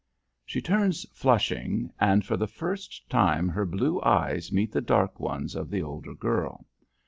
She turns, flushing, and for the first time her blue eyes meet the dark ones of the older girl.